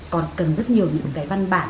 còn cần rất nhiều những cái văn bản